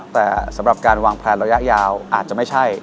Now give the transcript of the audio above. แต่สำหรับการวางแพลนระยะยาวอาจจะไม่ใช่